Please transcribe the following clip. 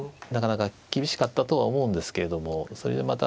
なかなか厳しかったとは思うんですけれどもそれで